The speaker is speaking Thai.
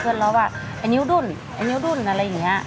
เราว่าไอ้นิ้วดุ้นไอ้นิ้วดุ้นอะไรอย่างนี้